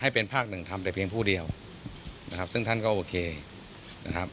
ให้เป็นภาคหนึ่งทำแต่เพียงผู้เดียวนะครับซึ่งท่านก็โอเคนะครับ